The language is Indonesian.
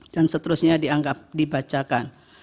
dan seterusnya dianggap dibacakan